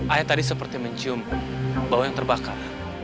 air tadi seperti mencium bau yang terbakar